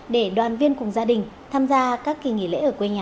để đoàn viên cùng gia đình tham gia các kỳ nghỉ lễ ở quê nhà